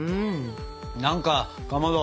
何かかまど。